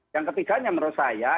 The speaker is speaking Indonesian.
yang ketiga yang menurut saya